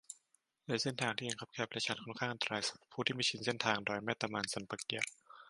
และเส้นทางยังแคบและชัน ค่อนข้างอันตรายสำหรับผู้ที่ไม่ชินเส้นทาง ดอยแม่ตะมาน สันป่าเกี๊ยะ